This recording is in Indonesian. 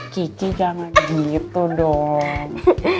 kiki jangan gitu dong